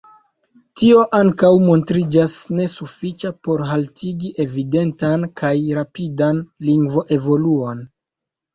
Tio ankaŭ montriĝas nesufiĉa por haltigi evidentan kaj rapidan lingvoevoluon.